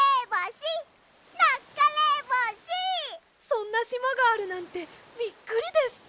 そんなしまがあるなんてびっくりです！